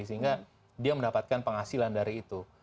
sehingga dia mendapatkan penghasilan dari itu